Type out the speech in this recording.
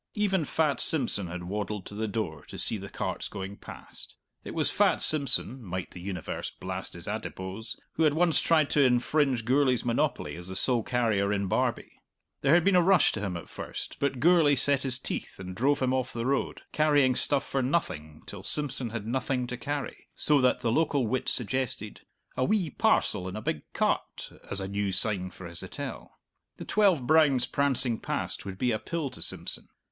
Even fat Simpson had waddled to the door to see the carts going past. It was fat Simpson might the Universe blast his adipose who had once tried to infringe Gourlay's monopoly as the sole carrier in Barbie. There had been a rush to him at first, but Gourlay set his teeth and drove him off the road, carrying stuff for nothing till Simpson had nothing to carry, so that the local wit suggested "a wee parcel in a big cart" as a new sign for his hotel. The twelve browns prancing past would be a pill to Simpson!